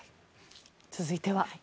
続いては。